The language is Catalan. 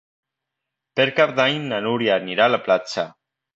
Per Cap d'Any na Núria anirà a la platja.